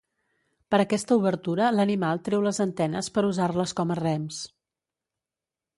Per aquesta obertura l'animal treu les antenes per usar-les com a rems.